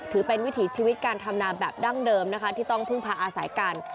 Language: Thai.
ถือเป็นวิถีชีวิตการทำนาแบบดั้งเดิมนะคะที่ต้องพึ่งพาอาศัยกัน